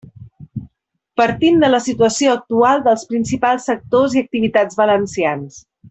Partim de la situació actual dels principals sectors i activitats valencians.